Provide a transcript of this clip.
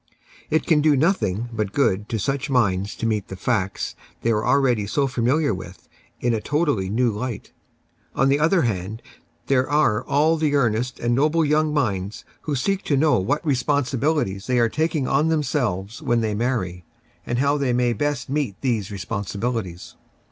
It can do nothing but good to such minds to meet the facts they are already so familiar with in a totally new light. On the other hand, there are all the earnest and noble young minds who seek to know what responsibilities they are taking on themselves when they marry, and how they may best meet these responsibilities.